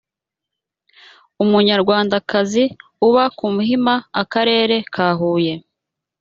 umunyarwandakazi uba ku muhima akarere ka huye